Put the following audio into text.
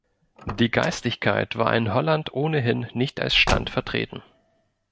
Die Geistlichkeit war in Holland ohnehin nicht als Stand vertreten.